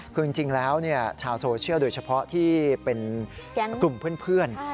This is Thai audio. คือจริงแล้วชาวโซเชียลโดยเฉพาะที่เป็นกลุ่มเพื่อน